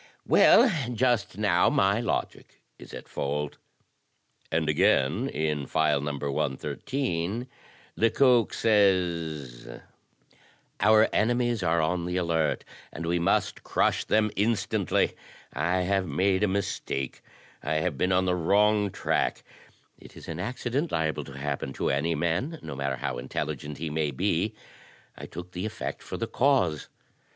Well, just now my logic is at fault." 98 THE TECHNIQUE OF THE MYSTERY STORY And again in "File No. 113," Lecoq says: "Our enemies are on the alert, and we must crush them instantly. I have made a mistake. I have been on the wrong track; it is an accident liable to happen to any man, no matter how intelligent he may be. I took the effect for the cause.